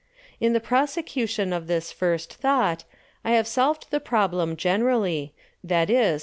In the prosecution of this first Thought, I have solved the Problem generally, _viz.